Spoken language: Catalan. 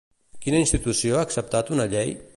Quina institució ha acceptat una llei?